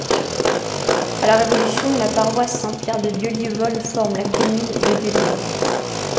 À la Révolution, la paroisse Saint-Pierre de Dieulivol forme la commune de Dieulivol.